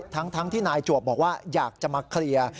ทั้งที่นายจวบบอกว่าอยากจะมาเคลียร์